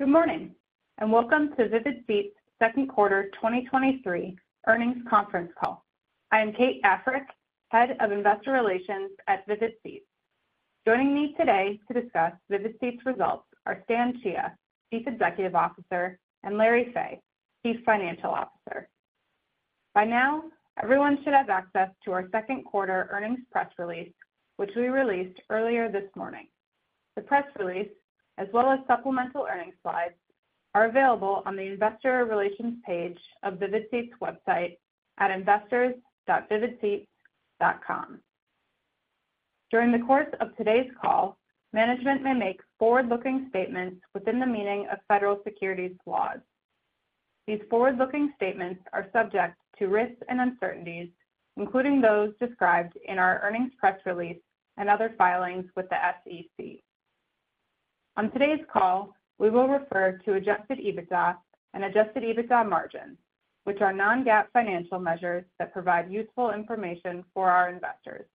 Good morning, and welcome to Vivid Seats' second quarter 2023 earnings conference call. I am Kate Africk, Head of Investor Relations at Vivid Seats. Joining me today to discuss Vivid Seats results are Stan Chia, Chief Executive Officer, and Larry Fey, Chief Financial Officer. By now, everyone should have access to our Q2 earnings press release, which we released earlier this morning. The press release, as well as supplemental earnings slides, are available on the investor relations page of Vivid Seats website at investors.vividseats.com. During the course of today's call, management may make forward-looking statements within the meaning of federal securities laws. These forward-looking statements are subject to risks and uncertainties, including those described in our earnings press release and other filings with the SEC. On today's call, we will refer to Adjusted EBITDA and Adjusted EBITDA Margin, which are non-GAAP financial measures that provide useful information for our investors.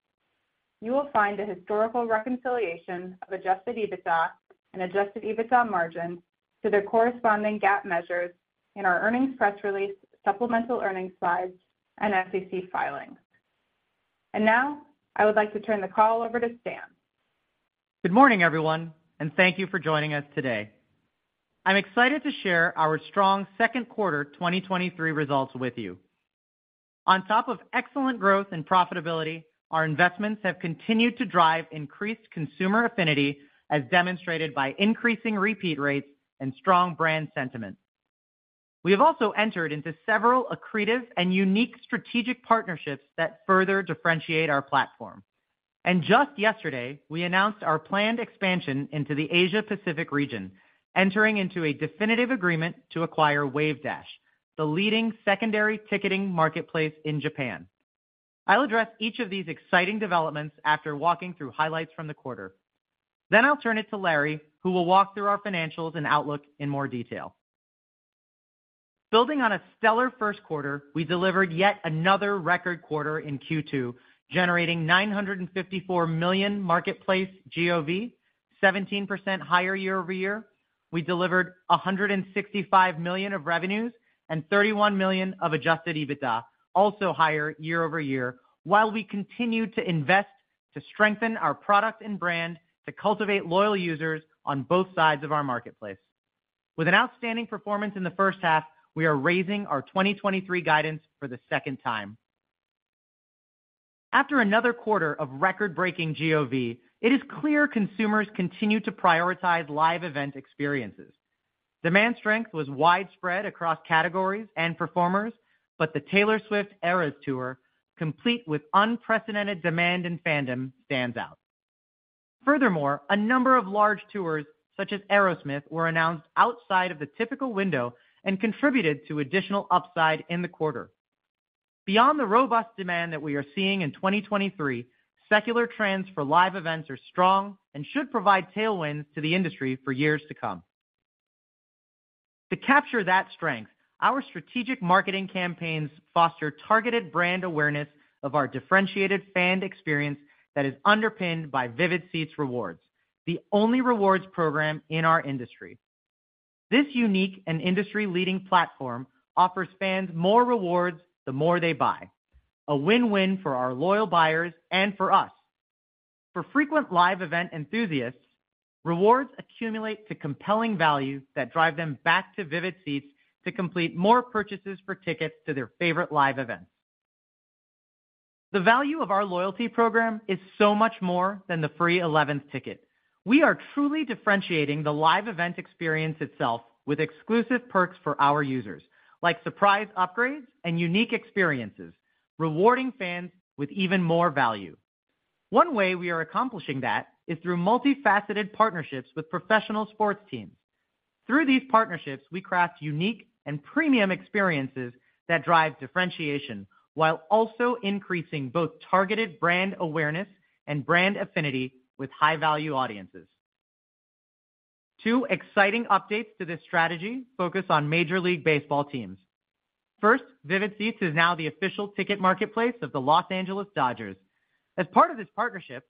You will find a historical reconciliation of Adjusted EBITDA and Adjusted EBITDA Margin to their corresponding GAAP measures in our earnings press release, supplemental earnings slides, and SEC filings. Now, I would like to turn the call over to Stan. Good morning, everyone, and thank you for joining us today. I'm excited to share our strong Q2 2023 results with you. On top of excellent growth and profitability, our investments have continued to drive increased consumer affinity, as demonstrated by increasing repeat rates and strong brand sentiment. We have also entered into several accretive and unique strategic partnerships that further differentiate our platform. Just yesterday, we announced our planned expansion into the Asia Pacific region, entering into a definitive agreement to acquire Wavedash, the leading secondary ticketing marketplace in Japan. I'll address each of these exciting developments after walking through highlights from the quarter. I'll turn it to Larry, who will walk through our financials and outlook in more detail. Building on a stellar Q1, we delivered yet another record quarter in Q2, generating $954 million marketplace GOV, 17% higher year-over-year. We delivered $165 million of revenues and $31 million of Adjusted EBITDA, also higher year-over-year, while we continued to invest to strengthen our product and brand to cultivate loyal users on both sides of our marketplace. With an outstanding performance in the first half, we are raising our 2023 guidance for the second time. After another quarter of record-breaking GOV, it is clear consumers continue to prioritize live event experiences. Demand strength was widespread across categories and performers, but the Taylor Swift Eras Tour, complete with unprecedented demand and fandom, stands out. A number of large tours, such as Aerosmith, were announced outside of the typical window and contributed to additional upside in the quarter. Beyond the robust demand that we are seeing in 2023, secular trends for live events are strong and should provide tailwinds to the industry for years to come. To capture that strength, our strategic marketing campaigns foster targeted brand awareness of our differentiated fan experience that is underpinned by Vivid Seats Rewards, the only rewards program in our industry. This unique and industry-leading platform offers fans more rewards the more they buy, a win-win for our loyal buyers and for us. For frequent live event enthusiasts, rewards accumulate to compelling value that drive them back to Vivid Seats to complete more purchases for tickets to their favorite live events. The value of our loyalty program is so much more than the free 11th ticket. We are truly differentiating the live event experience itself with exclusive perks for our users, like surprise upgrades and unique experiences, rewarding fans with even more value. One way we are accomplishing that is through multifaceted partnerships with professional sports teams. Through these partnerships, we craft unique and premium experiences that drive differentiation, while also increasing both targeted brand awareness and brand affinity with high-value audiences. Two exciting updates to this strategy focus on Major League Baseball teams. First, Vivid Seats is now the official ticket marketplace of the Los Angeles Dodgers. As part of this partnership,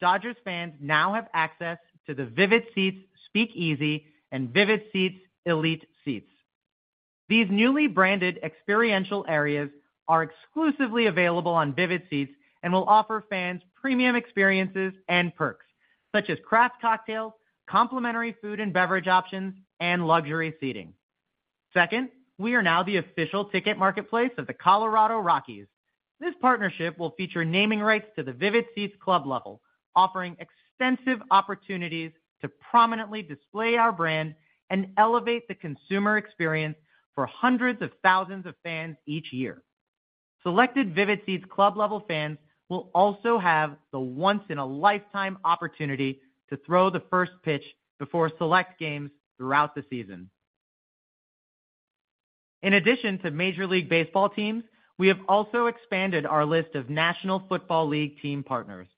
Dodgers fans now have access to the Vivid Seats Speakeasy and Vivid Seats Elite Seats. These newly branded experiential areas are exclusively available on Vivid Seats and will offer fans premium experiences and perks such as craft cocktails, complimentary food and beverage options, and luxury seating. We are now the official ticket marketplace of the Colorado Rockies. This partnership will feature naming rights to the Vivid Seats Club level, offering extensive opportunities to prominently display our brand and elevate the consumer experience for hundreds of thousands of fans each year. Selected Vivid Seats Club level fans will also have the once in a lifetime opportunity to throw the first pitch before select games throughout the season. In addition to Major League Baseball teams, we have also expanded our list of National Football League team partners.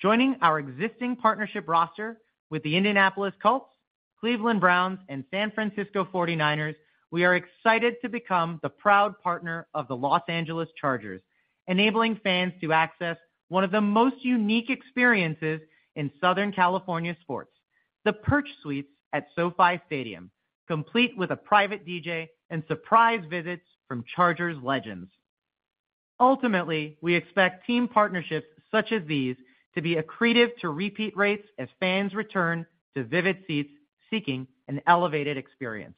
Joining our existing partnership roster with the Indianapolis Colts, Cleveland Browns, and San Francisco 49ers, we are excited to become the proud partner of the Los Angeles Chargers, enabling fans to access one of the most unique experiences in Southern California sports, the Perch Suites at SoFi Stadium, complete with a private DJ and surprise visits from Chargers legends. Ultimately, we expect team partnerships such as these to be accretive to repeat rates as fans return to Vivid Seats seeking an elevated experience.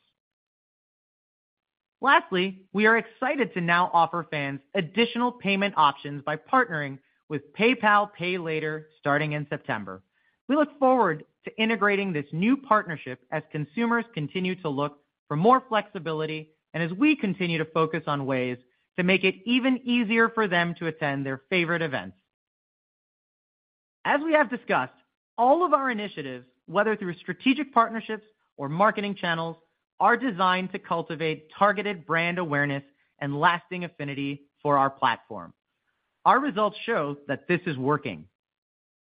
Lastly, we are excited to now offer fans additional payment options by partnering with PayPal Pay Later starting in September. We look forward to integrating this new partnership as consumers continue to look for more flexibility and as we continue to focus on ways to make it even easier for them to attend their favorite events. As we have discussed, all of our initiatives, whether through strategic partnerships or marketing channels, are designed to cultivate targeted brand awareness and lasting affinity for our platform. Our results show that this is working.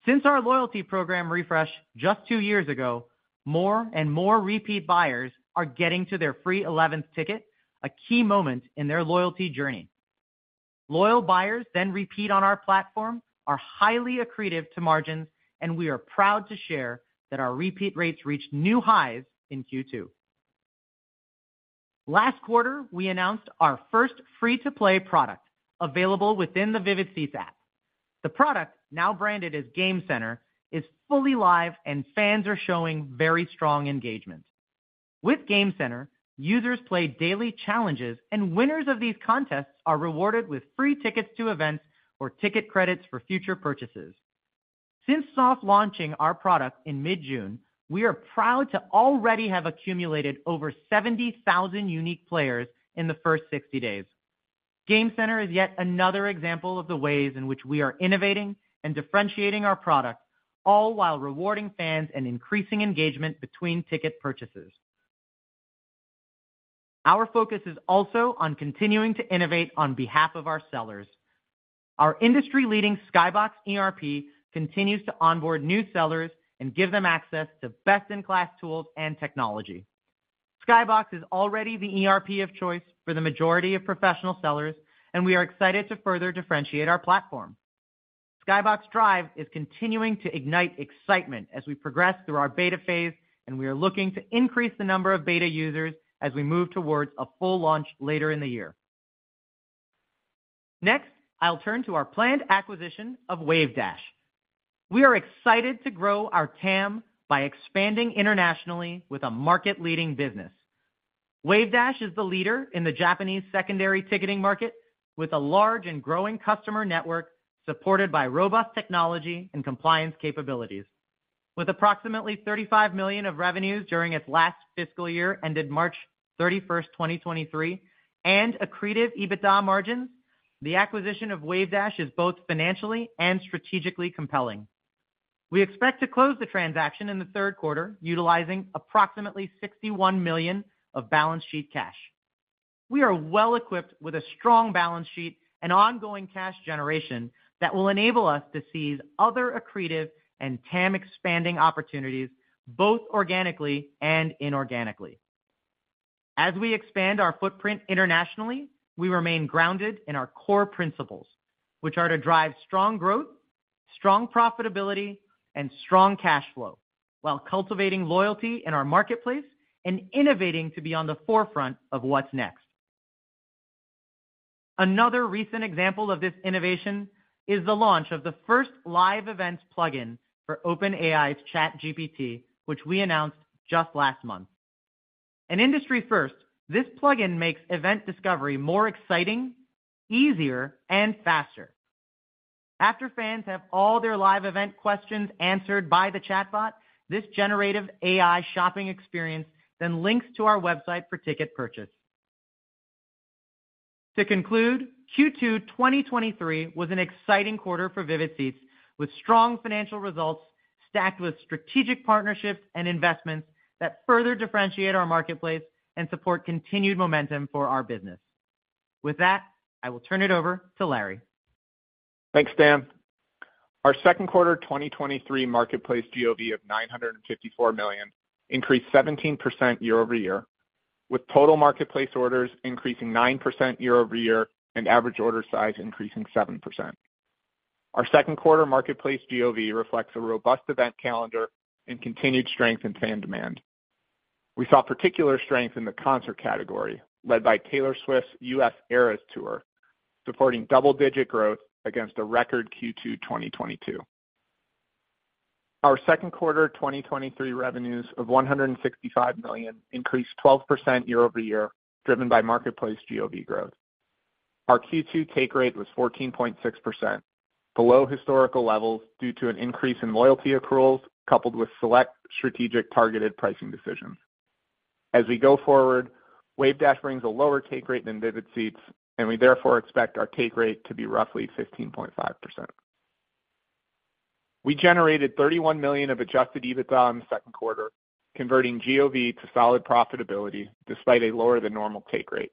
Since our loyalty program refresh just two years ago, more and more repeat buyers are getting to their free eleventh ticket, a key moment in their loyalty journey. Loyal buyers then repeat on our platform are highly accretive to margins, and we are proud to share that our repeat rates reached new highs in Q2. Last quarter, we announced our first free-to-play product available within the Vivid Seats app. The product, now branded as Game Center, is fully live and fans are showing very strong engagement. With Game Center, users play daily challenges, and winners of these contests are rewarded with free tickets to events or ticket credits for future purchases. Since soft launching our product in mid-June, we are proud to already have accumulated over 70,000 unique players in the first 60 days. Game Center is yet another example of the ways in which we are innovating and differentiating our product, all while rewarding fans and increasing engagement between ticket purchases. Our focus is also on continuing to innovate on behalf of our sellers. Our industry-leading SkyBox ERP continues to onboard new sellers and give them access to best-in-class tools and technology. SkyBox is already the ERP of choice for the majority of professional sellers. We are excited to further differentiate our platform. SkyBox Drive is continuing to ignite excitement as we progress through our beta phase. We are looking to increase the number of beta users as we move towards a full launch later in the year. Next, I'll turn to our planned acquisition of Wavedash. We are excited to grow our TAM by expanding internationally with a market-leading business. Wavedash is the leader in the Japanese secondary ticketing market, with a large and growing customer network supported by robust technology and compliance capabilities. With approximately $35 million of revenues during its last fiscal year, ended March 31, 2023, and accretive EBITDA margins, the acquisition of Wavedash is both financially and strategically compelling. We expect to close the transaction in Q3, utilizing approximately $61 million of balance sheet cash. We are well equipped with a strong balance sheet and ongoing cash generation that will enable us to seize other accretive and TAM expanding opportunities, both organically and inorganically. As we expand our footprint internationally, we remain grounded in our core principles, which are to drive strong growth, strong profitability, and strong cash flow, while cultivating loyalty in our marketplace and innovating to be on the forefront of what's next. Another recent example of this innovation is the launch of the first live events plugin for OpenAI's ChatGPT, which we announced just last month. An industry first, this plugin makes event discovery more exciting, easier, and faster. After fans have all their live event questions answered by the chatbot, this generative AI shopping experience then links to our website for ticket purchase. To conclude, Q2 2023 was an exciting quarter for Vivid Seats, with strong financial results stacked with strategic partnerships and investments that further differentiate our marketplace and support continued momentum for our business. With that, I will turn it over to Larry. Thanks, Dan. Our Q2 2023 marketplace GOV of $954 million increased 17% year-over-year, with total marketplace orders increasing 9% year-over-year and average order size increasing 7%. Our Q2 marketplace GOV reflects a robust event calendar and continued strength in fan demand. We saw particular strength in the concert category, led by Taylor Swift's US Eras Tour, supporting double-digit growth against a record Q2 2022. Our Q2 2023 revenues of $165 million increased 12% year-over-year, driven by marketplace GOV growth. Our Q2 take rate was 14.6%, below historical levels due to an increase in loyalty accruals, coupled with select strategic targeted pricing decisions. As we go forward, Wavedash brings a lower take rate than Vivid Seats, we therefore expect our take rate to be roughly 15.5%. We generated $31 million of Adjusted EBITDA in the Q2, converting GOV to solid profitability despite a lower than normal take rate.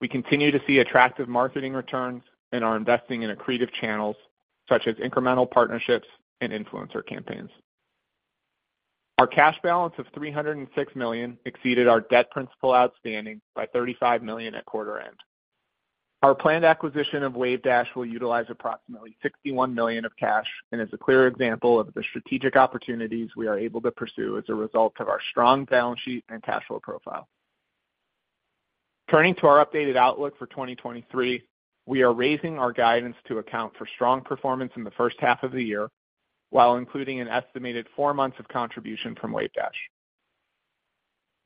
We continue to see attractive marketing returns and are investing in accretive channels such as incremental partnerships and influencer campaigns. Our cash balance of $306 million exceeded our debt principal outstanding by $35 million at quarter end. Our planned acquisition of Wavedash will utilize approximately $61 million of cash and is a clear example of the strategic opportunities we are able to pursue as a result of our strong balance sheet and cash flow profile.... Turning to our updated outlook for 2023, we are raising our guidance to account for strong performance in the first half of the year, while including an estimated four months of contribution from Wavedash.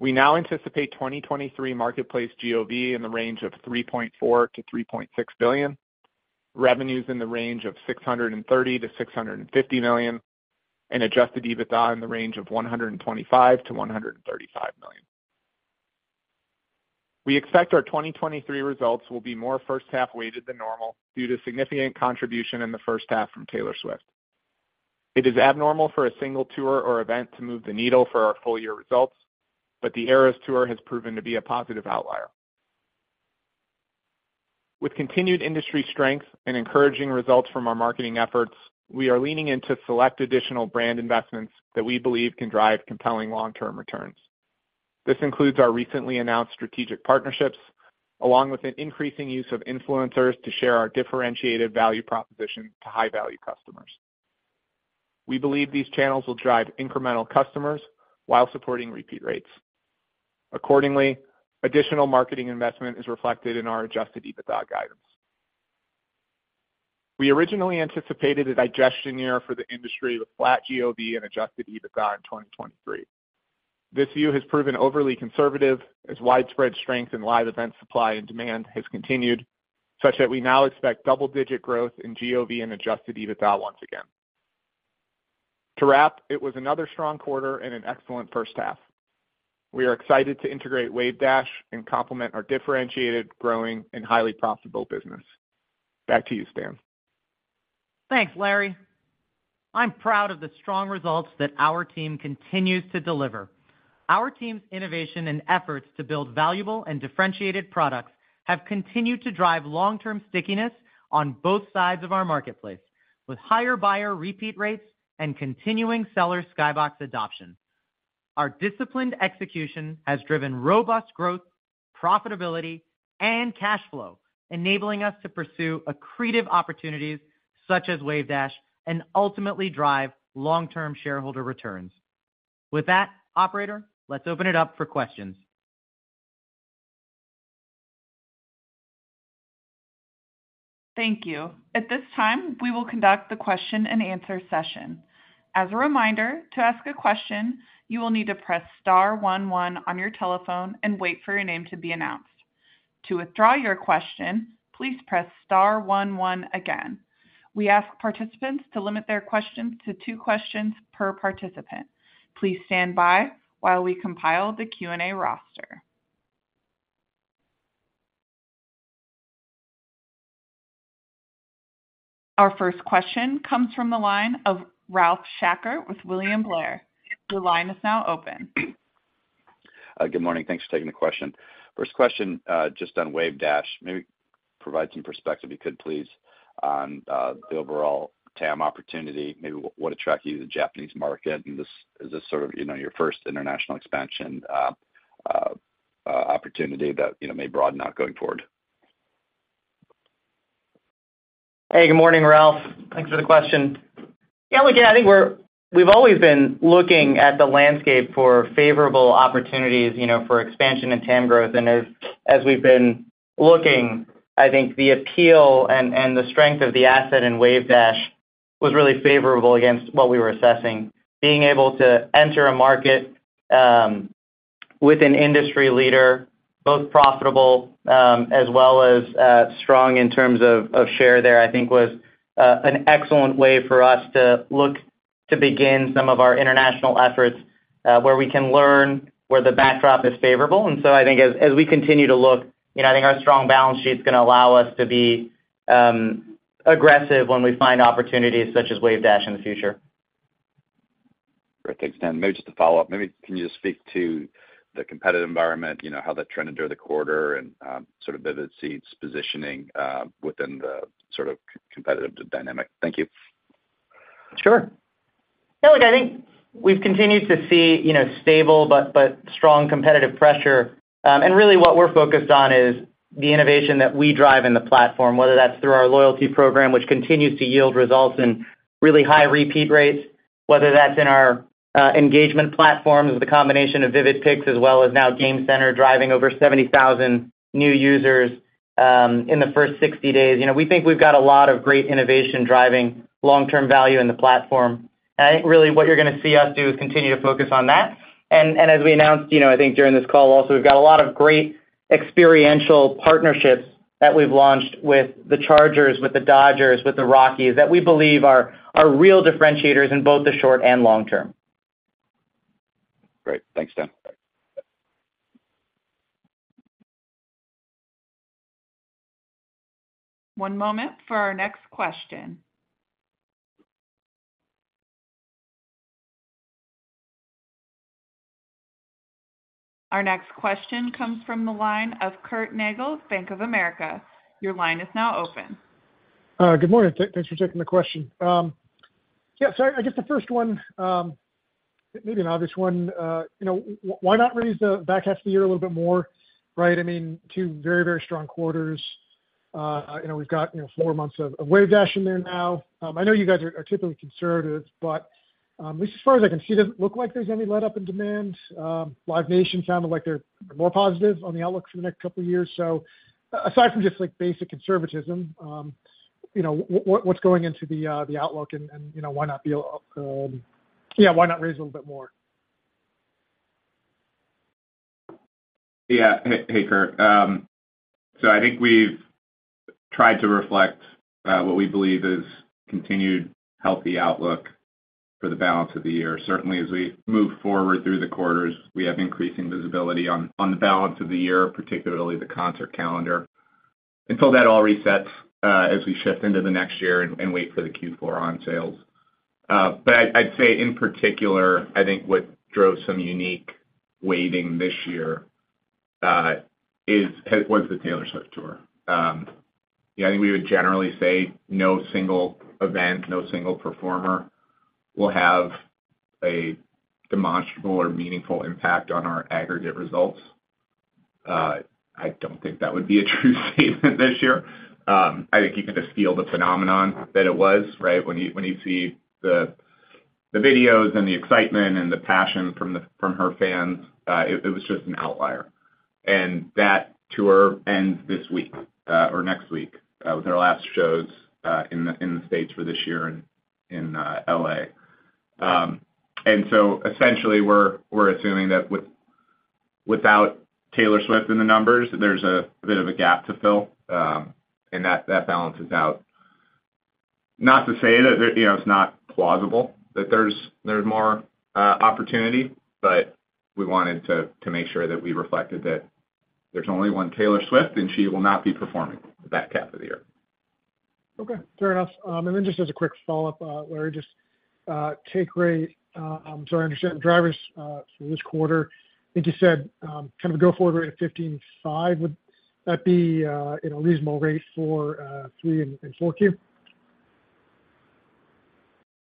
We now anticipate 2023 marketplace GOV in the range of $3.4 billion-$3.6 billion, revenues in the range of $630 million-$650 million, and Adjusted EBITDA in the range of $125 million-$135 million. We expect our 2023 results will be more first half weighted than normal due to significant contribution in the first half from Taylor Swift. It is abnormal for a single tour or event to move the needle for our full year results, but the Eras Tour has proven to be a positive outlier. With continued industry strength and encouraging results from our marketing efforts, we are leaning into select additional brand investments that we believe can drive compelling long-term returns. This includes our recently announced strategic partnerships, along with an increasing use of influencers to share our differentiated value proposition to high-value customers. We believe these channels will drive incremental customers while supporting repeat rates. Accordingly, additional marketing investment is reflected in our Adjusted EBITDA guidance. We originally anticipated a digestion year for the industry with flat GOV and Adjusted EBITDA in 2023. This view has proven overly conservative as widespread strength in live event supply and demand has continued, such that we now expect double-digit growth in GOV and Adjusted EBITDA once again. To wrap, it was another strong quarter and an excellent first half. We are excited to integrate WaveDash and complement our differentiated, growing, and highly profitable business. Back to you, Stan. Thanks, Larry. I'm proud of the strong results that our team continues to deliver. Our team's innovation and efforts to build valuable and differentiated products have continued to drive long-term stickiness on both sides of our marketplace, with higher buyer repeat rates and continuing seller SkyBox adoption. Our disciplined execution has driven robust growth, profitability, and cash flow, enabling us to pursue accretive opportunities such as Wavedash and ultimately drive long-term shareholder returns. With that, operator, let's open it up for questions. Thank you. At this time, we will conduct the question and answer session. As a reminder, to ask a question, you will need to press star one one on your telephone and wait for your name to be announced. To withdraw your question, please press star one one again. We ask participants to limit their questions to two questions per participant. Please stand by while we compile the Q&A roster. Our first question comes from the line of Ralph Schackart with William Blair. Your line is now open. Good morning. Thanks for taking the question. First question, just on WaveDash. Maybe provide some perspective, you could please, on the overall TAM opportunity, maybe what attracted you to the Japanese market, and this, is this sort of, you know, your first international expansion opportunity that, you know, may broaden out going forward? Hey, good morning, Ralph. Thanks for the question. Yeah, look, yeah, I think we've always been looking at the landscape for favorable opportunities, you know, for expansion and TAM growth. As, as we've been looking, I think the appeal and, and the strength of the asset in Wavedash was really favorable against what we were assessing. Being able to enter a market with an industry leader, both profitable, as well as strong in terms of, of share there, I think was an excellent way for us to look to begin some of our international efforts, where we can learn where the backdrop is favorable. So I think as, as we continue to look, you know, I think our strong balance sheet is gonna allow us to be aggressive when we find opportunities such as Wavedash in the future. Great. Thanks, Stan. Maybe just a follow-up. Maybe can you just speak to the competitive environment, you know, how that trended during the quarter and sort of Vivid Seats' positioning within the sort of competitive dynamic? Thank you. Sure. Look, I think we've continued to see, you know, stable but, but strong competitive pressure. Really what we're focused on is the innovation that we drive in the platform, whether that's through our loyalty program, which continues to yield results and really high repeat rates. Whether that's in our engagement platforms, the combination of Vivid Picks, as well as now Game Center, driving over 70,000 new users in the first 60 days. You know, we think we've got a lot of great innovation driving long-term value in the platform. I think really what you're gonna see us do is continue to focus on that. As we announced, you know, I think during this call also, we've got a lot of great experiential partnerships that we've launched with the Chargers, with the Dodgers, with the Rockies, that we believe are, are real differentiators in both the short and long term. Great. Thanks, Stan. One moment for our next question. Our next question comes from the line of Curt Nagle, Bank of America. Your line is now open. Good morning. Thanks for taking the question. Yeah, I guess the first one, maybe an obvious one, you know, why not raise the back half of the year a little bit more, right? I mean, two very, very strong quarters, you know, we've got, you know, four months of Wavedash in there now. I know you guys are typically conservatives, but at least as far as I can see, it doesn't look like there's any letup in demand. Live Nation sounded like they're more positive on the outlook for the next couple of years. Aside from just, like, basic conservatism, you know, what, what, what's going into the outlook and, and, you know, why not be, yeah, why not raise a little bit more? Yeah. Hey, Hey, Curt. I think we've tried to reflect what we believe is continued healthy outlook for the balance of the year. Certainly, as we move forward through the quarters, we have increasing visibility on, on the balance of the year, particularly the concert calendar, until that all resets as we shift into the next year and, and wait for the Q4 on sales. I'd say in particular, I think what drove some unique waiting this year was the Taylor Swift tour. Yeah, I think we would generally say no single event, no single performer will have a demonstrable or meaningful impact on our aggregate results. I don't think that would be a true statement this year. I think you can just feel the phenomenon that it was, right? When you, when you see the, the videos and the excitement and the passion from the, from her fans, it, it was just an outlier. That tour ends this week, or next week, with her last shows, in the, in the States for this year in, in, L.A. Essentially, we're, we're assuming that with- without Taylor Swift in the numbers, there's a bit of a gap to fill, and that, that balances out. Not to say that, you know, it's not plausible that there's, there's more opportunity, but we wanted to, to make sure that we reflected that there's only one Taylor Swift, and she will not be performing the back half of the year. Okay, fair enough. Then just as a quick follow-up, Larry, just take rate, so I understand drivers for this quarter, I think you said kind of a go-forward rate of 15.5%. Would that be a, you know, reasonable rate for Q3 and Q4?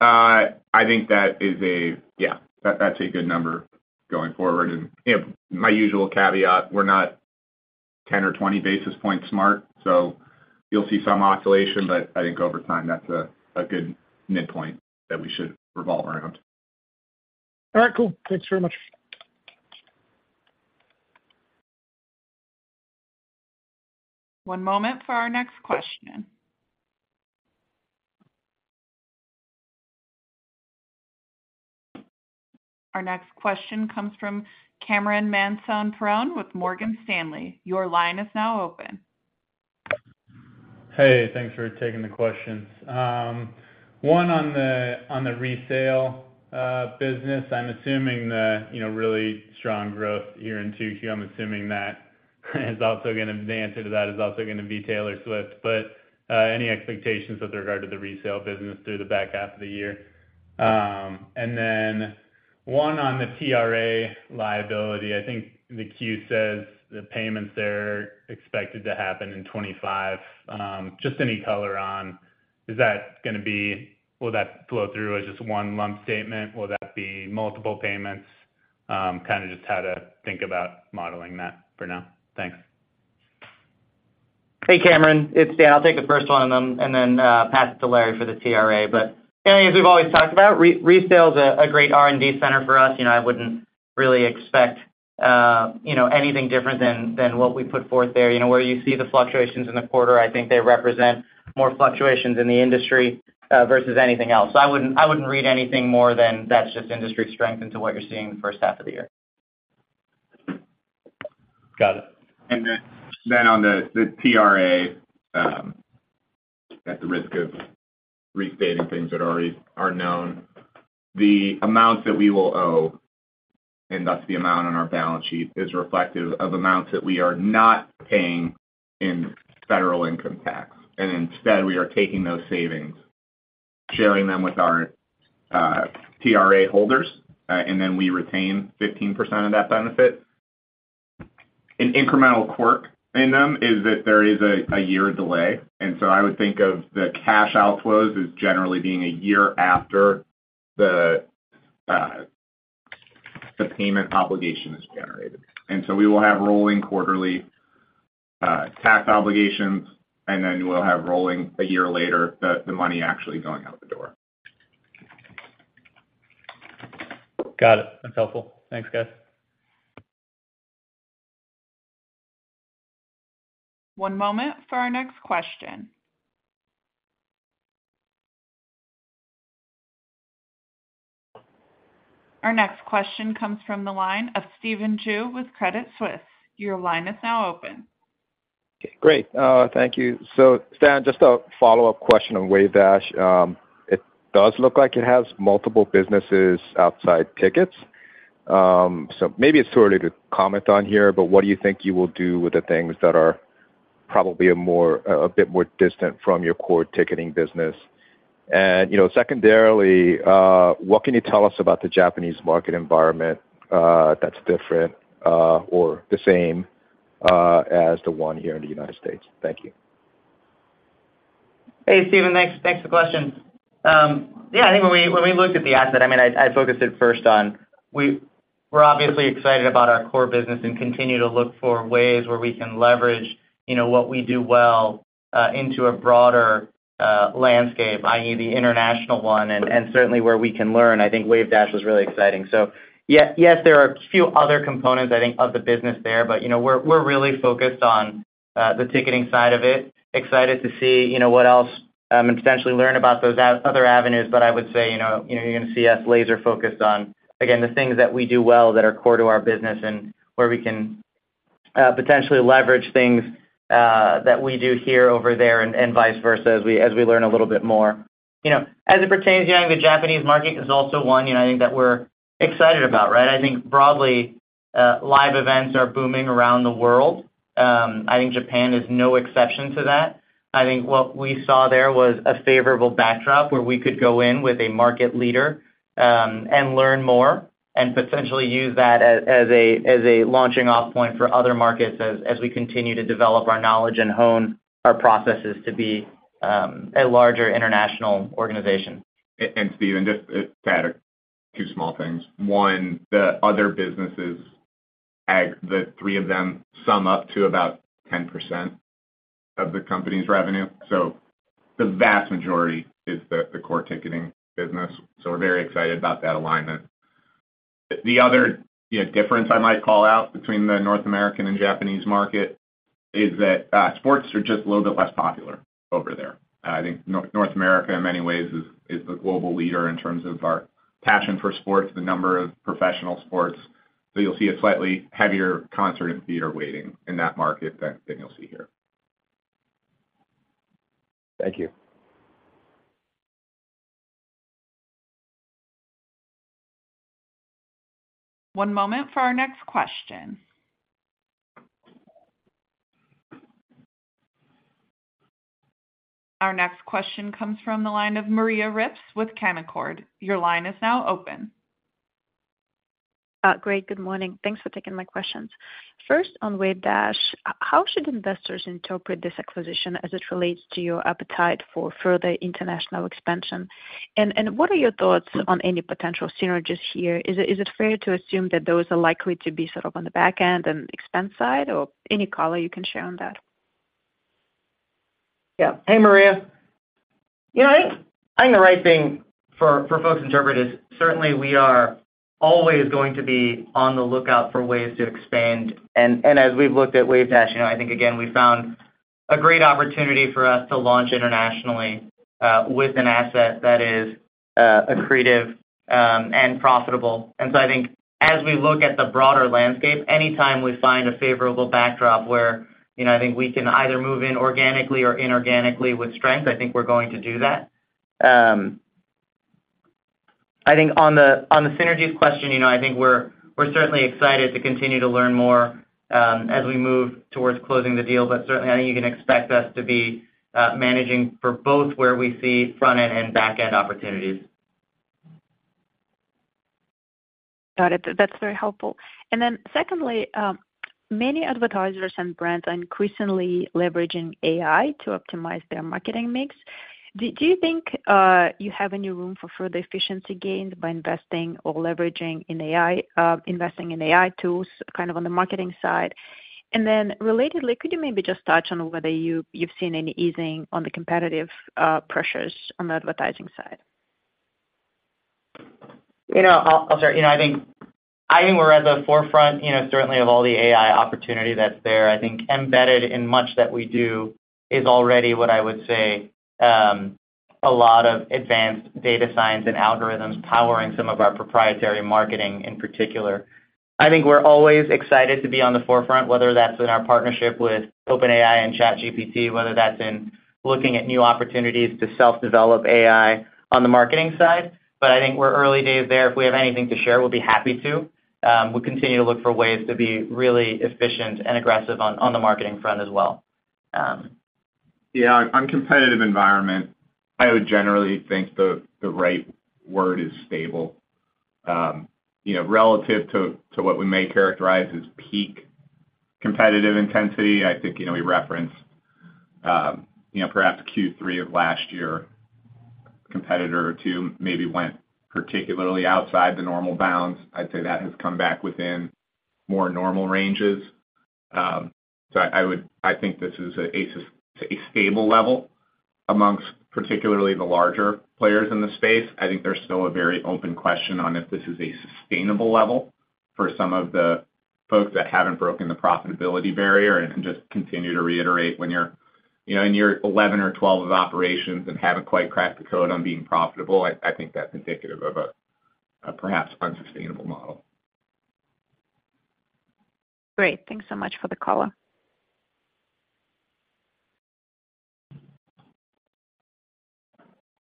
I think that is a good number going forward. You know, my usual caveat, we're not 10 or 20 basis points smart, so you'll see some oscillation, but I think over time, that's a good midpoint that we should revolve around. All right, cool. Thanks very much. One moment for our next question. Our next question comes from Cameron Mansson-Perrone with Morgan Stanley. Your line is now open. Hey, thanks for taking the questions. One, on the, on the resale business, I'm assuming the, you know, really strong growth year into Q. I'm assuming that is also gonna... The answer to that is also gonna be Taylor Swift, any expectations with regard to the resale business through the back half of the year? Then one on the TRA liability. I think the Q says the payments there are expected to happen in 25. Just any color on, is that gonna be-- Will that flow through as just one lump statement? Will that be multiple payments? Kinda just how to think about modeling that for now. Thanks. Hey, Cameron, it's Dan. I'll take the first one, then pass it to Larry for the TRA. Yeah, as we've always talked about, re- resale is a, a great R&D center for us. You know, I wouldn't really expect, you know, anything different than, than what we put forth there. You know, where you see the fluctuations in the quarter, I think they represent more fluctuations in the industry, versus anything else. I wouldn't, I wouldn't read anything more than that's just industry strength into what you're seeing in the first half of the year. Got it. Then, then on the, the TRA, at the risk of restating things that already are known, the amounts that we will owe, and that's the amount on our balance sheet, is reflective of amounts that we are not paying in federal income tax. Instead, we are taking those savings, sharing them with our TRA holders, and then we retain 15% of that benefit. An incremental quirk in them is that there is a year delay, and so I would think of the cash outflows as generally being a year after the, the payment obligation is generated. We will have rolling quarterly tax obligations, and then we'll have rolling a year later, the, the money actually going out the door. Got it. That's helpful. Thanks, guys. One moment for our next question. Our next question comes from the line of Stephen Ju with Credit Suisse. Your line is now open. Okay, great. Thank you. Stan, just a follow-up question on Wavedash. It does look like it has multiple businesses outside tickets. Maybe it's too early to comment on here, but what do you think you will do with the things that are probably a more, a bit more distant from your core ticketing business? You know, secondarily, what can you tell us about the Japanese market environment that's different or the same as the one here in the United States? Thank you. Hey, Steven, thanks, thanks for the question. Yeah, I think when we, when we looked at the asset, I mean, I, I focused it first on we're obviously excited about our core business and continue to look for ways where we can leverage, you know, what we do well, into a broader landscape, i.e., the international one, and, and certainly where we can learn. I think Wavedash was really exciting. Yes, yes, there are a few other components, I think, of the business there, but, you know, we're, we're really focused on the ticketing side of it. Excited to see, you know, what else, and potentially learn about those other avenues. I would say, you know, you're gonna see us laser focused on, again, the things that we do well that are core to our business and where we can, potentially leverage things, that we do here over there and, and vice versa, as we, as we learn a little bit more. You know, as it pertains to the Japanese market, is also one, you know, I think that we're excited about, right? I think broadly, live events are booming around the world. I think Japan is no exception to that. I think what we saw there was a favorable backdrop where we could go in with a market leader, and learn more and potentially use that as, as a, as a launching off point for other markets as, as we continue to develop our knowledge and hone our processes to be, a larger international organization. Steven, just to add two small things. One, the other businesses, the three of them, sum up to about 10% of the company's revenue, so the vast majority is the, the core ticketing business. So we're very excited about that alignment. The other, you know, difference I might call out between the North American and Japanese market is that sports are just a little bit less popular over there. I think North America, in many ways, is, is the global leader in terms of our passion for sports, the number of professional sports. So you'll see a slightly heavier concert and theater weighting in that market than, than you'll see here. Thank you. One moment for our next question. Our next question comes from the line of Maria Ripps with Canaccord. Your line is now open. Great. Good morning. Thanks for taking my questions. First, on Wavedash, how should investors interpret this acquisition as it relates to your appetite for further international expansion? What are your thoughts on any potential synergies here? Is it fair to assume that those are likely to be sort of on the back end and expense side, or any color you can share on that? Yeah. Hey, Maria. You know, I, I think the right thing for, for folks to interpret is certainly we are always going to be on the lookout for ways to expand. As we've looked at Wavedash, you know, I think, again, we found a great opportunity for us to launch internationally with an asset that is accretive and profitable. I think as we look at the broader landscape, anytime we find a favorable backdrop where, you know, I think we can either move in organically or inorganically with strength, I think we're going to do that. I think on the, on the synergies question, you know, I think we're, we're certainly excited to continue to learn more as we move towards closing the deal. Certainly I think you can expect us to be managing for both where we see front-end and back-end opportunities. Got it. That's very helpful. Secondly, many advertisers and brands are increasingly leveraging AI to optimize their marketing mix. Do you think you have any room for further efficiency gains by investing or leveraging in AI tools, kind of on the marketing side? Relatedly, could you maybe just touch on whether you've seen any easing on the competitive pressures on the advertising side? You know, I'll, I'll start. You know, I think, I think we're at the forefront, you know, certainly of all the AI opportunity that's there. I think embedded in much that we do is already what I would say, a lot of advanced data science and algorithms powering some of our proprietary marketing in particular. I think we're always excited to be on the forefront, whether that's in our partnership with OpenAI and ChatGPT, whether that's in looking at new opportunities to self-develop AI on the marketing side, but I think we're early days there. If we have anything to share, we'll be happy to. We'll continue to look for ways to be really efficient and aggressive on, on the marketing front as well. Yeah, on competitive environment, I would generally think the, the right word is stable. You know, relative to, to what we may characterize as peak competitive intensity, I think, you know, we reference, you know, perhaps Q3 of last year, a competitor or one or two maybe went particularly outside the normal bounds. I'd say that has come back within more normal ranges. I think this is a stable level amongst particularly the larger players in the space. I think there's still a very open question on if this is a sustainable level for some of the folks that haven't broken the profitability barrier and just continue to reiterate when you're, you know, in your 11 or 12 of operations and haven't quite cracked the code on being profitable, I, I think that's indicative of a, a perhaps unsustainable model. Great. Thanks so much for the call.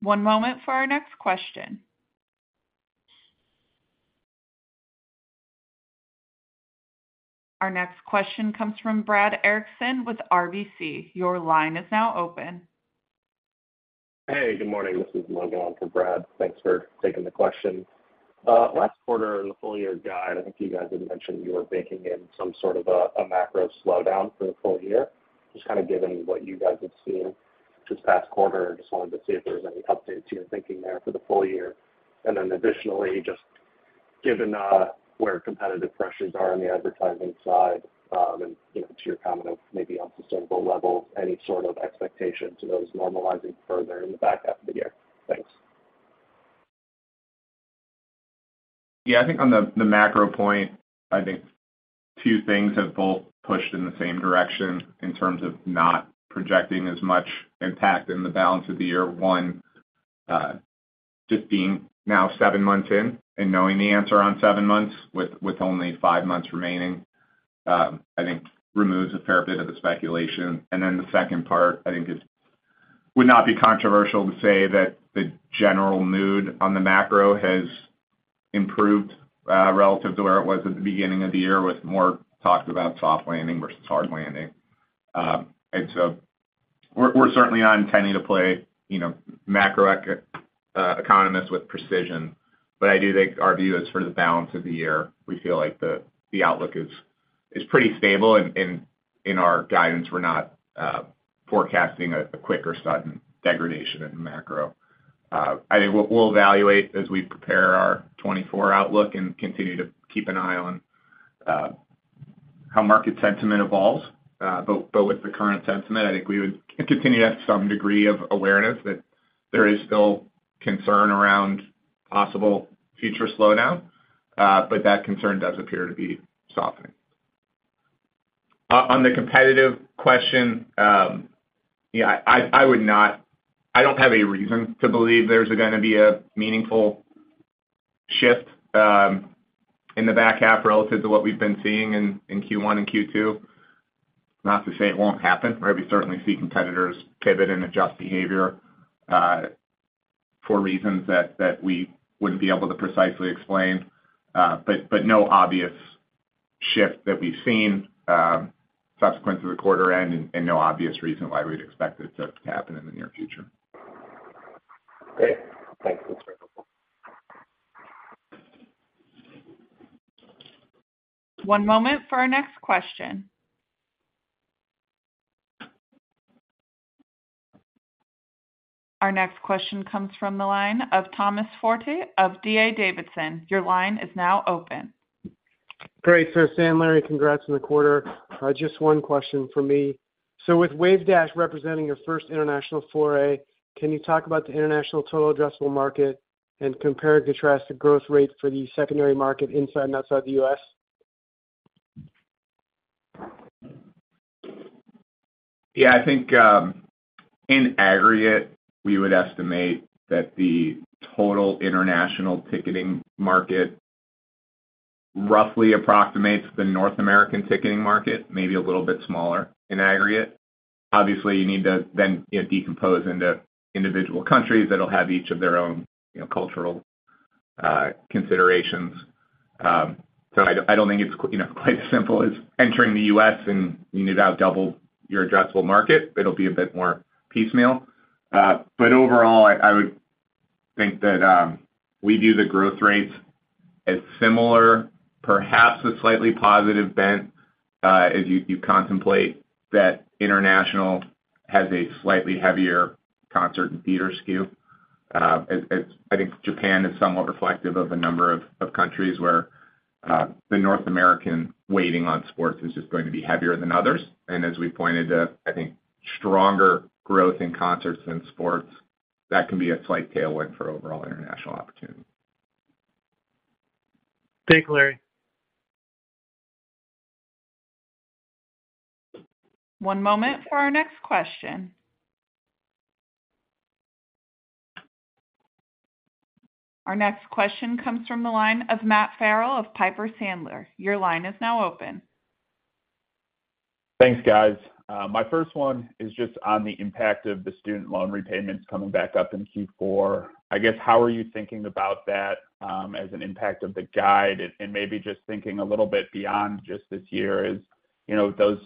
One moment for our next question. Our next question comes from Brad Erickson with RBC. Your line is now open. Hey, good morning. This is Logan for Brad. Thanks for taking the question. Last quarter in the full year guide, I think you guys had mentioned you were baking in some sort of a macro slowdown for the full year. Just kind of given what you guys have seen this past quarter, just wanted to see if there was any updates to your thinking there for the full year. Additionally, just given where competitive pressures are on the advertising side, and, you know, to your comment of maybe on sustainable levels, any sort of expectation to those normalizing further in the back half of the year? Thanks. Yeah, I think on the, the macro point, I think two things have both pushed in the same direction in terms of not projecting as much impact in the balance of the year. One, just being now seven months in and knowing the answer on seven months with, with only five months remaining, I think removes a fair bit of the speculation. The second part, I think would not be controversial to say that the general mood on the macro has improved relative to where it was at the beginning of the year, with more talks about soft landing versus hard landing. We're, we're certainly not intending to play, you know, economists with precision, but I do think our view as for the balance of the year, we feel like the, the outlook is, is pretty stable. In our guidance, we're not forecasting a quick or sudden degradation in the macro. I think we'll evaluate as we prepare our 2024 outlook and continue to keep an eye on how market sentiment evolves. With the current sentiment, I think we would continue to have some degree of awareness that there is still concern around possible future slowdown, but that concern does appear to be softening. On the competitive question, yeah, I would not, I don't have a reason to believe there's gonna be a meaningful shift in the back half relative to what we've been seeing in Q1 and Q2. Not to say it won't happen, right? We certainly see competitors pivot and adjust behavior for reasons that we wouldn't be able to precisely explain. But no obvious shift that we've seen subsequent to the quarter end, and no obvious reason why we'd expect it to happen in the near future. Great. Thanks. One moment for our next question. Our next question comes from the line of Thomas Forte of D.A. Davidson. Your line is now open. Great. Stan, Larry, congrats on the quarter. Just one question for me. With Wavedash representing your first international foray, can you talk about the international total addressable market and compare and contrast the growth rate for the secondary market inside and outside the U.S.? Yeah, I think, in aggregate, we would estimate that the total international ticketing market roughly approximates the North American ticketing market, maybe a little bit smaller in aggregate. Obviously, you need to then, you know, decompose into individual countries that'll have each of their own, you know, cultural considerations. So I, I don't think it's, you know, quite as simple as entering the US, and you now double your addressable market. It'll be a bit more piecemeal. Overall, I, I would think that we view the growth rates as similar, perhaps a slightly positive bent, as you, you contemplate that international has a slightly heavier concert and theater SKU. I think Japan is somewhat reflective of a number of countries where the North American weighting on sports is just going to be heavier than others. As we pointed to, I think, stronger growth in concerts and sports, that can be a slight tailwind for overall international opportunity. Thanks, Larry. One moment for our next question. Our next question comes from the line of Matt Farrell of Piper Sandler. Your line is now open. Thanks, guys. My first one is just on the impact of the student loan repayments coming back up in Q4. I guess, how are you thinking about that as an impact of the guide? And maybe just thinking a little bit beyond just this year, as, you know, those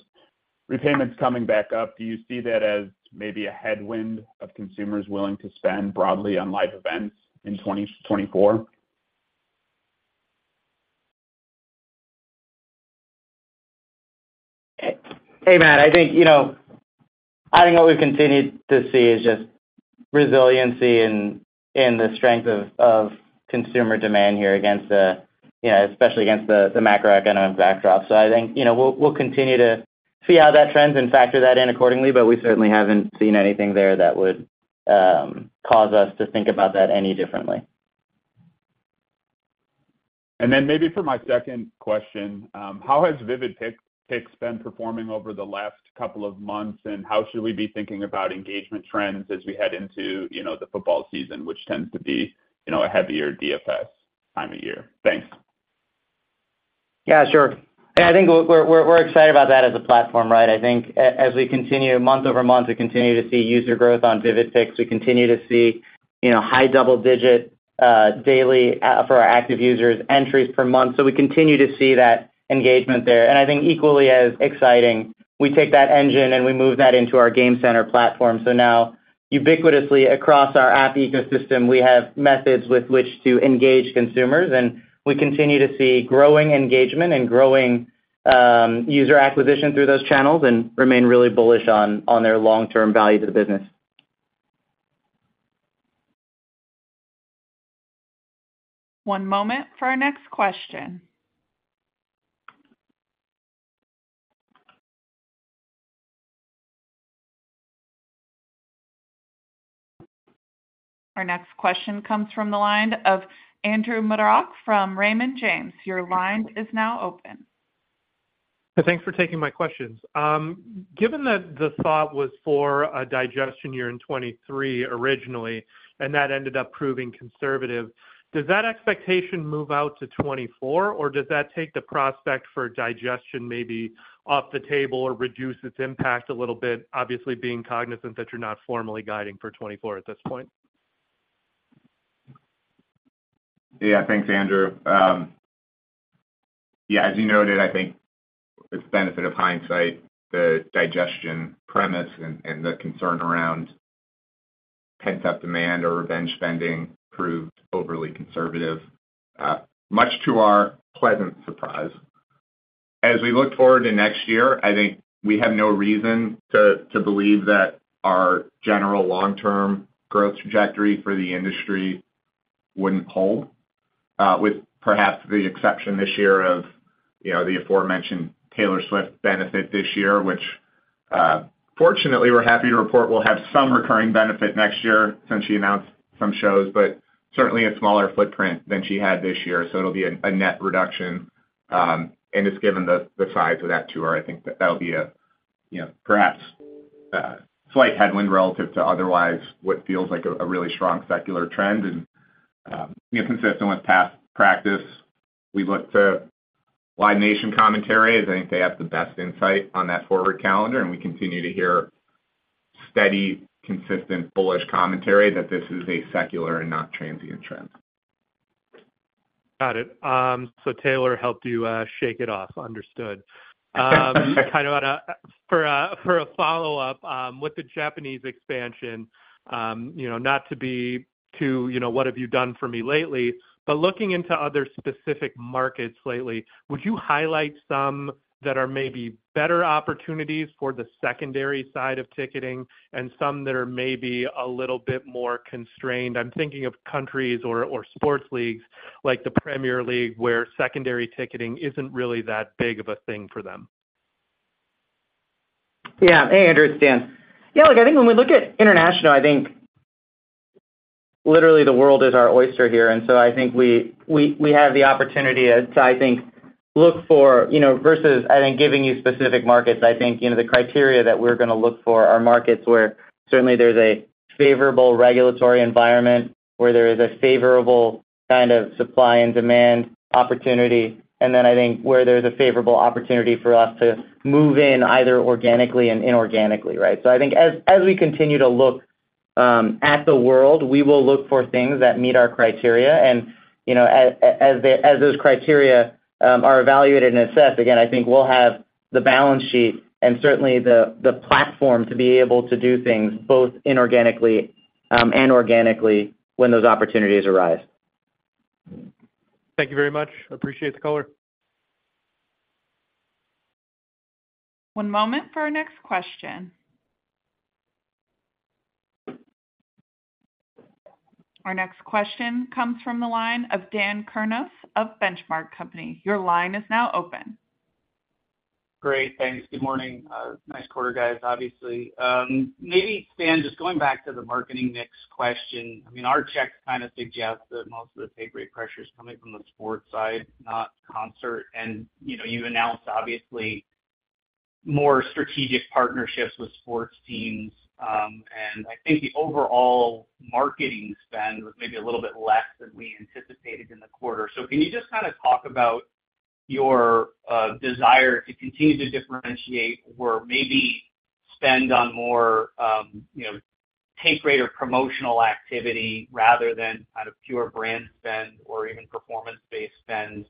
repayments coming back up, do you see that as maybe a headwind of consumers willing to spend broadly on live events in 2024? Hey, Matt, I think, you know, I think what we've continued to see is just resiliency and, and the strength of, of consumer demand here against the, you know, especially against the, the macroeconomic backdrop. I think, you know, we'll, we'll continue to see how that trends and factor that in accordingly, but we certainly haven't seen anything there that would cause us to think about that any differently. Then maybe for my second question, how has Vivid Picks, Picks been performing over the last couple of months, and how should we be thinking about engagement trends as we head into, you know, the football season, which tends to be, you know, a heavier DFS time of year? Thanks. Yeah, sure. I think we're, we're, we're excited about that as a platform, right? I think as we continue month-over-month, we continue to see user growth on Vivid Picks. We continue to see, you know, high double digit daily for our active users, entries per month. We continue to see that engagement there. I think equally as exciting, we take that engine and we move that into our Game Center platform. Now, ubiquitously across our app ecosystem, we have methods with which to engage consumers, and we continue to see growing engagement and growing user acquisition through those channels and remain really bullish on, on their long-term value to the business. One moment for our next question. Our next question comes from the line of Andrew Marok from Raymond James. Your line is now open. Thanks for taking my questions. Given that the thought was for a digestion year in 2023 originally, and that ended up proving conservative, does that expectation move out to 2024, or does that take the prospect for digestion maybe off the table or reduce its impact a little bit, obviously, being cognizant that you're not formally guiding for 2024 at this point? Thanks, Andrew. As you noted, I think with the benefit of hindsight, the digestion premise and, and the concern around pent-up demand or revenge spending proved overly conservative, much to our pleasant surprise. As we look forward to next year, I think we have no reason to, to believe that our general long-term growth trajectory for the industry wouldn't hold, with perhaps the exception this year of, you know, the aforementioned Taylor Swift benefit this year, which, fortunately, we're happy to report will have some recurring benefit next year since she announced some shows, but certainly a smaller footprint than she had this year. It'll be a, a net reduction, and just given the, the size of that tour, I think that, that'll be a, you know, perhaps, slight headwind relative to otherwise what feels like a, a really strong secular trend. You know, consistent with past practice, we look to Live Nation commentary, as I think they have the best insight on that forward calendar, and we continue to hear steady, consistent, bullish commentary that this is a secular and not transient trend. Got it. Taylor helped you shake it off. Understood. Kind of for a, for a follow-up, with the Japanese expansion, you know, not to be too, you know, what have you done for me lately, looking into other specific markets lately, would you highlight some that are maybe better opportunities for the secondary side of ticketing and some that are maybe a little bit more constrained? I'm thinking of countries or, or sports leagues like the Premier League, where secondary ticketing isn't really that big of a thing for them. Hey, Andrew, it's Dan. Look, I think when we look at international, I think literally the world is our oyster here, and so I think we, we, we have the opportunity to, I think, look for, you know, versus, I think, giving you specific markets, I think, you know, the criteria that we're gonna look for are markets where certainly there's a favorable regulatory environment, where there is a favorable kind of supply and demand opportunity, and then I think where there's a favorable opportunity for us to move in either organically and inorganically, right? I think as, as we continue to look at the world, we will look for things that meet our criteria. You know, as, as, as those criteria, are evaluated and assessed, again, I think we'll have the balance sheet and certainly the, the platform to be able to do things both inorganically, and organically when those opportunities arise. Thank you very much. I appreciate the color. One moment for our next question. Our next question comes from the line of Dan Kurnos of Benchmark Company. Your line is now open. Great. Thanks. Good morning. Nice quarter, guys, obviously. Maybe, Dan, just going back to the marketing mix question. I mean, our checks kind of suggest that most of the take rate pressure is coming from the sports side, not concert. You've announced, obviously, more strategic partnerships with sports teams. I think the overall marketing spend was maybe a little bit less than we anticipated in the quarter. Can you just kind of talk about your desire to continue to differentiate or maybe spend on more, you know, take rate or promotional activity rather than kind of pure brand spend or even performance-based spend,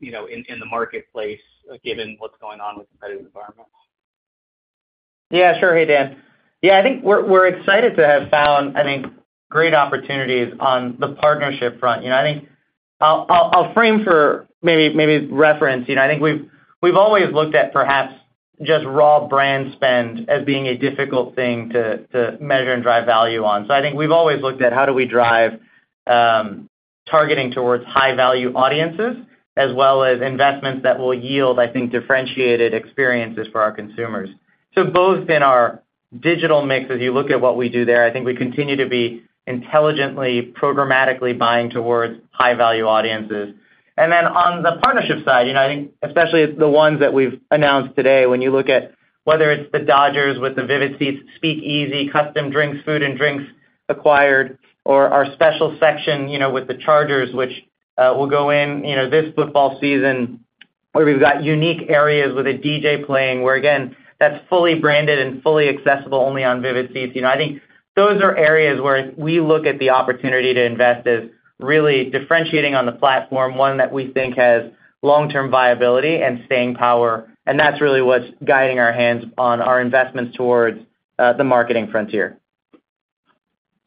you know, in, in the marketplace, given what's going on with the competitive environment? Yeah, sure. Hey, Dan. Yeah, I think we're, we're excited to have found, I think, great opportunities on the partnership front. You know, I think I'll, I'll, I'll frame for maybe, maybe reference. You know, I think we've, we've always looked at perhaps just raw brand spend as being a difficult thing to, to measure and drive value on. I think we've always looked at how do we drive targeting towards high-value audiences, as well as investments that will yield, I think, differentiated experiences for our consumers. Both in our digital mix, as you look at what we do there, I think we continue to be intelligently, programmatically buying towards high-value audiences. Then on the partnership side, you know, I think especially the ones that we've announced today, when you look at whether it's the Dodgers with the Vivid Seats Speakeasy, custom drinks, food and drinks acquired, or our special section, you know, with the Chargers, which will go in, you know, this football season, where we've got unique areas with a DJ playing, where, again, that's fully branded and fully accessible only on Vivid Seats. You know, I think those are areas where we look at the opportunity to invest as really differentiating on the platform, one that we think has long-term viability and staying power, and that's really what's guiding our hands on our investments towards the marketing frontier....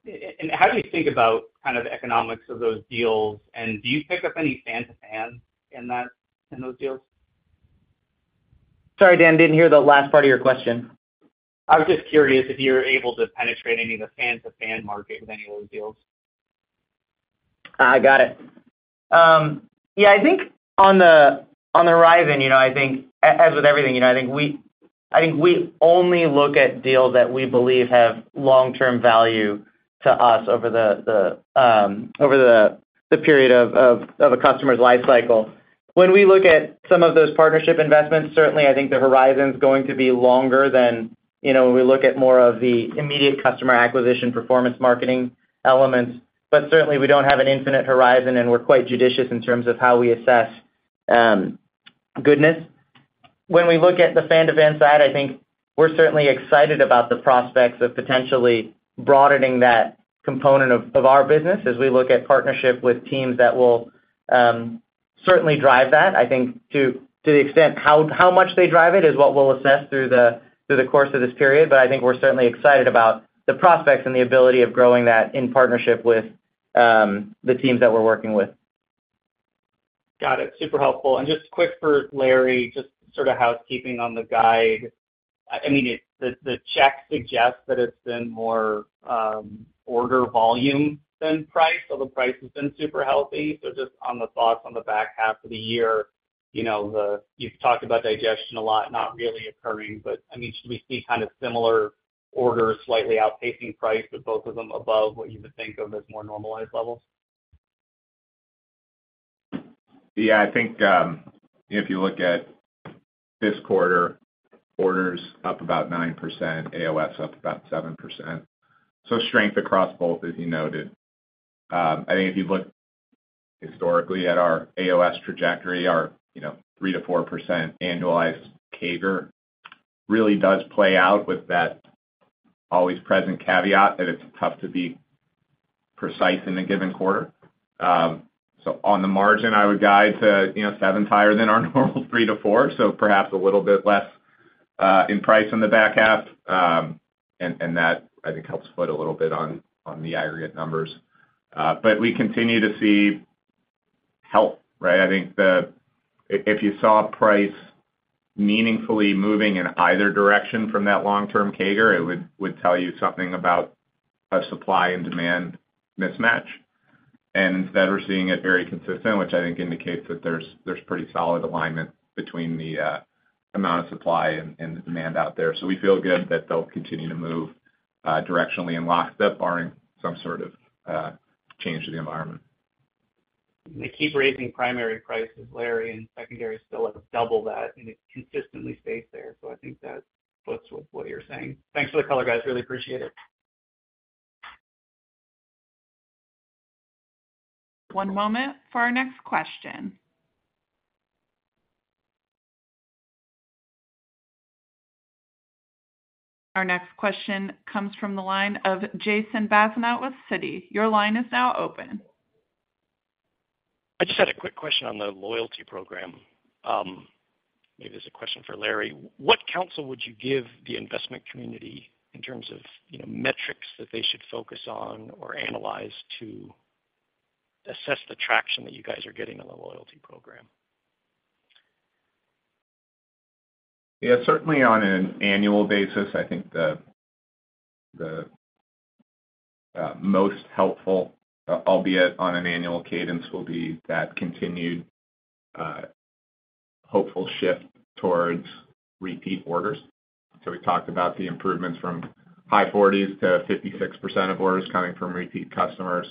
and how do you think about kind of the economics of those deals? Do you pick up any fan to fan in that, in those deals? Sorry, Dan, didn't hear the last part of your question. I was just curious if you were able to penetrate any of the fan-to-fan market with any of those deals? I got it. Yeah, I think on the, on the horizon, you know, I think as with everything, you know, I think we only look at deals that we believe have long-term value to us over the, the, over the, the period of, of, of a customer's life cycle. When we look at some of those partnership investments, certainly I think the horizon is going to be longer than, you know, when we look at more of the immediate customer acquisition, performance marketing elements. Certainly, we don't have an infinite horizon, and we're quite judicious in terms of how we assess goodness. When we look at the fan-to-fan side, I think we're certainly excited about the prospects of potentially broadening that component of, of our business as we look at partnership with teams that will certainly drive that. I think to, to the extent how, how much they drive it is what we'll assess through the, through the course of this period. I think we're certainly excited about the prospects and the ability of growing that in partnership with the teams that we're working with. Got it. Super helpful. Just quick for Larry, just sort of housekeeping on the guide. I mean, the check suggests that it's been more order volume than price, although price has been super healthy. Just on the thoughts on the back half of the year, you know, You've talked about digestion a lot, not really occurring, but I mean, should we see kind of similar orders, slightly outpacing price, but both of them above what you would think of as more normalized levels? Yeah, I think, if you look at this quarter, orders up about 9%, AOS up about 7%. Strength across both, as you noted. I think if you look historically at our AOS trajectory, our, you know, 3% - 4% annualized CAGR really does play out with that always present caveat that it's tough to be precise in a given quarter. So on the margin, I would guide to, you know, 7% higher than our normal 3% - 4%, so perhaps a little bit less in price in the back half. That, I think, helps foot a little bit on the aggregate numbers. We continue to see health, right? I think the-- if, if you saw price meaningfully moving in either direction from that long-term CAGR, it would, would tell you something about a supply and demand mismatch. Instead, we're seeing it very consistent, which I think indicates that there's, there's pretty solid alignment between the amount of supply and demand out there. We feel good that they'll continue to move directionally in lockstep, barring some sort of change to the environment. They keep raising primary prices, Larry, and secondary is still at double that, and it consistently stays there. I think that fits with what you're saying. Thanks for the color, guys. Really appreciate it. One moment for our next question. Our next question comes from the line of Jason Bazinet with Citi. Your line is now open. I just had a quick question on the loyalty program. Maybe this is a question for Larry. What counsel would you give the investment community in terms of, you know, metrics that they should focus on or analyze to assess the traction that you guys are getting on the loyalty program? Yeah, certainly on an annual basis, I think the most helpful, albeit on an annual cadence, will be that continued hopeful shift towards repeat orders. We talked about the improvements from high 40s to 56% of orders coming from repeat customers.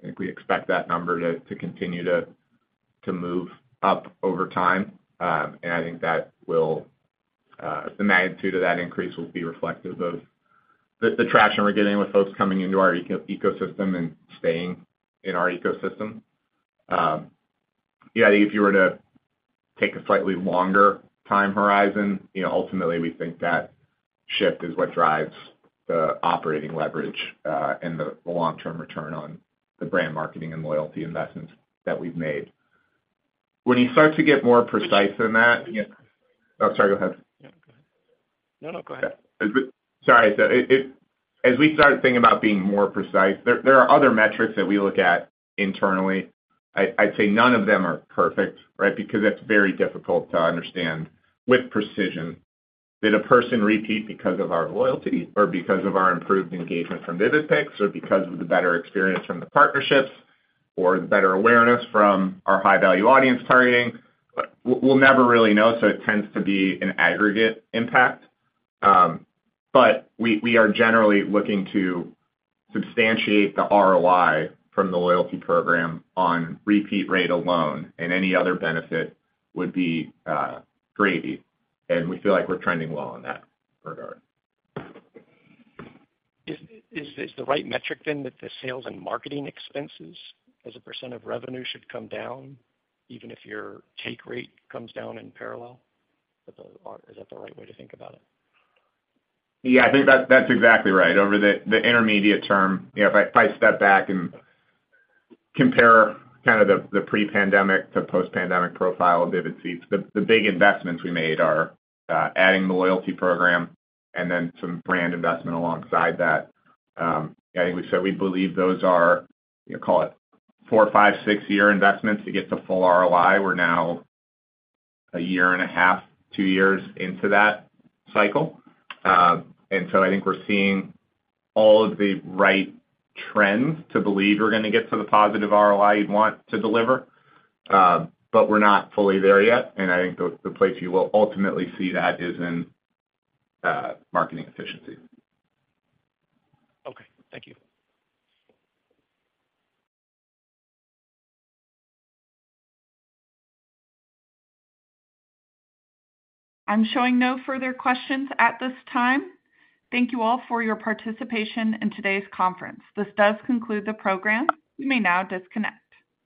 I think we expect that number to continue to move up over time. And I think that will the magnitude of that increase will be reflective of the traction we're getting with folks coming into our ecosystem and staying in our ecosystem. Yeah, if you were to take a slightly longer time horizon, you know, ultimately, we think that shift is what drives the operating leverage and the long-term return on the brand marketing and loyalty investments that we've made. When you start to get more precise than that. Oh, sorry, go ahead. Yeah. No, no, go ahead. Sorry. As we start thinking about being more precise, there, there are other metrics that we look at internally. I, I'd say none of them are perfect, right? Because it's very difficult to understand with precision, did a person repeat because of our loyalty or because of our improved engagement from Vivid Seats or because of the better experience from the partnerships or the better awareness from our high-value audience targeting? We'll, we'll never really know, so it tends to be an aggregate impact. We, we are generally looking to substantiate the ROI from the loyalty program on repeat rate alone, and any other benefit would be gravy, and we feel like we're trending well in that regard. Is the right metric then that the sales and marketing expenses as a % of revenue should come down, even if your take rate comes down in parallel? Is that, is that the right way to think about it? Yeah, I think that's, that's exactly right. Over the, the intermediate term, you know, if I, if I step back and compare kind of the, the pre-pandemic to post-pandemic profile of Vivid Seats, the, the big investments we made are adding the loyalty program and then some brand investment alongside that. I think we said we believe those are, you know, call it four, five, six-year investments to get to full ROI. We're now a year and a half, two years into that cycle. I think we're seeing all of the right trends to believe we're gonna get to the positive ROI you'd want to deliver, but we're not fully there yet, and I think the, the place you will ultimately see that is in marketing efficiency. Okay. Thank you. I'm showing no further questions at this time. Thank you all for your participation in today's conference. This does conclude the program. You may now disconnect.